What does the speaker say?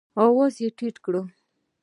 آواز ټیټ کړئ